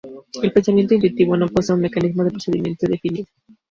El pensamiento intuitivo no posee un mecanismo de procedimiento definido.